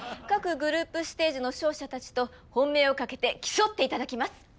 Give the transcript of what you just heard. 各グループステージの勝者たちと本命を懸けて競っていただきます。